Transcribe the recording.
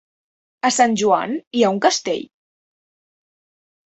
A Sant Joan hi ha un castell?